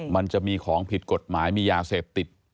มันจะมีของผิดกฎหมายมียาเสพติด